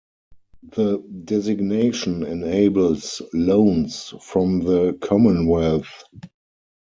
The designation enables loans from the Commonwealth.